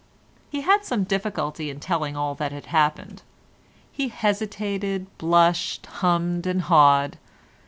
He had some difficulty in telling all that had happened. He hesitated, blushed, hummed and hawed.